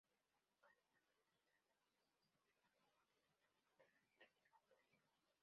La localidad pertenece a la Diócesis de Morón de la Iglesia católica.